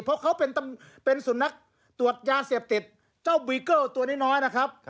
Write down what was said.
เพราะเขาเป็นศูนย์นักตรวจยาเสียบติดเจ้าบีเกิ้ลตัวนี้น้อยนะครับ